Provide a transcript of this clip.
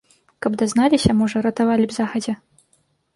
Каб дазналіся, можа, ратавалі б загадзя.